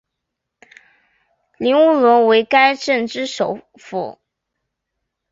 彬乌伦为该镇之首府。